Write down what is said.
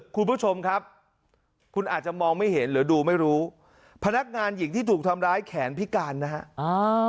คุณผู้ชมครับคุณอาจจะมองไม่เห็นหรือดูไม่รู้พนักงานหญิงที่ถูกทำร้ายแขนพิการนะฮะ